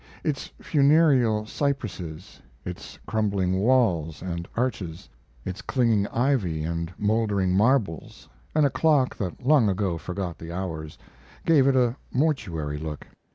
Its funereal cypresses, its crumbling walls and arches, its clinging ivy and moldering marbles, and a clock that long ago forgot the hours, gave it a mortuary look.